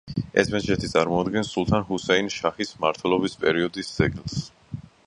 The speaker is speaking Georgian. ეს მეჩეთი წარმოადგენს სულთან ჰუსეინ შაჰის მმართველობის პერიოდის ძეგლს.